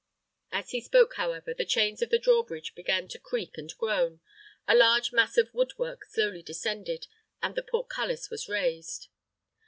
As he spoke, however, the chains of the draw bridge began to creak and groan, a large mass of wood work slowly descended, and the portcullis was raised.